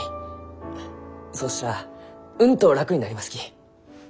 そしたらうんと楽になりますき！